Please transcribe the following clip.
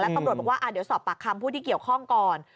ตำรวจบอกว่าเดี๋ยวสอบปากคำผู้ที่เกี่ยวข้องก่อน